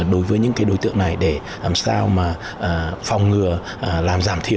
đối với những đối tượng này để làm sao mà phòng ngừa làm giảm thiểu